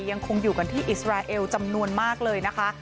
ยังคงอยู่กันที่อิสราเอลจำนวนมากเลยนะคะ